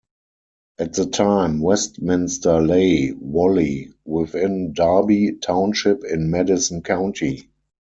At the time, Westminster lay wholly within Darby Township in Madison County.